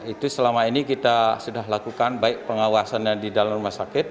itu selama ini kita sudah lakukan baik pengawasannya di dalam rumah sakit